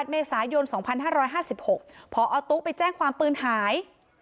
เมษายน๒๕๕๖พอตุ๊ไปแจ้งความปืนหาย